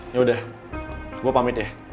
yaudah gue pamit ya